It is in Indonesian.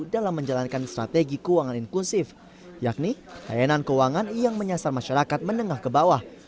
dalam menjalankan strategi keuangan inklusif yakni layanan keuangan yang menyasar masyarakat menengah ke bawah